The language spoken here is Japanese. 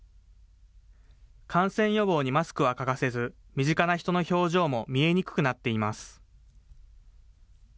感染予防にマスクは欠かせず、身近な人の表情も見えにくくなっています。